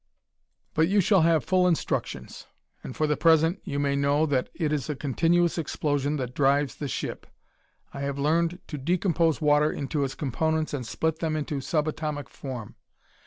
"But you shall have full instructions. And, for the present, you may know that it is a continuous explosion that drives the ship. I have learned to decompose water into its components and split them into subatomic form.